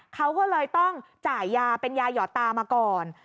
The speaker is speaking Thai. เขาก็เลยต้องจ่ายยาเป็นยาหยอดตามาก่อน